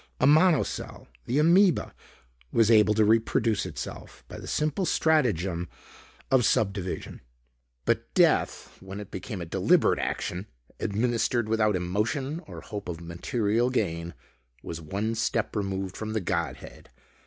A mono cell, the amoeba, was able to reproduce itself by the simple stratagem of sub division. But death when it became a deliberate action, administered without emotion or hope of material gain was one step removed from the godhead.